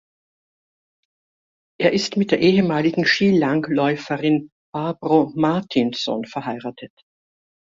Er ist mit der ehemaligen Skilangläuferin Barbro Martinsson verheiratet.